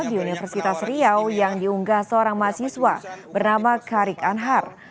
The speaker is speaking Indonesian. di universitas riau yang diunggah seorang mahasiswa bernama karik anhar